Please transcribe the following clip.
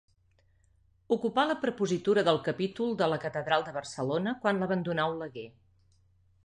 Ocupà la prepositura del capítol de la catedral de Barcelona quan l'abandonà Oleguer.